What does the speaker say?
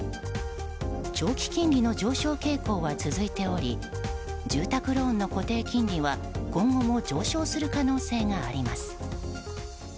長期金利の上昇傾向は続いており住宅ローンの固定金利は今後も上昇する可能性があります。